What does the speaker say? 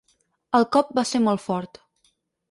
El cop va ser molt fort.